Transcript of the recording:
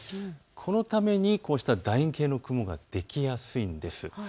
このために、こうしただ円形の雲ができやすいんです。